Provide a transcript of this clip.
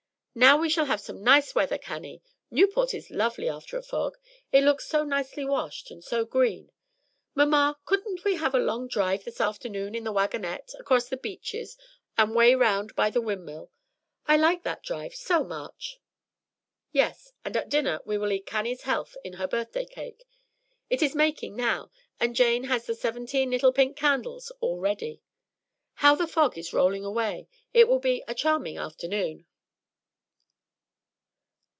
Now we shall have some nice weather, Cannie. Newport is lovely after a fog. It looks so nicely washed, and so green. Mamma, couldn't we have a long drive this afternoon in the wagonette, across the beaches and way round by the windmill? I like that drive so much." "Yes; and at dinner we will eat Cannie's health in her birthday cake. It is making now, and Jane has the seventeen little pink candles all ready. How the fog is rolling away! It will be a charming afternoon."